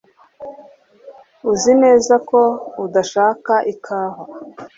Uzi neza ko udashaka ikawa